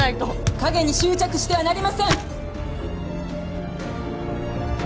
影に執着してはなりません！